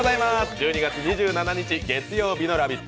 １２月２７日、月曜日の「ラヴィット！」